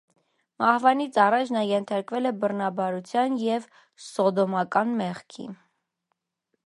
Մահվանից առաջ նա ենթարկվել է բռնաբարության և սոդոմական մեղքի։